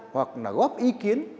hoặc là góp ý kiến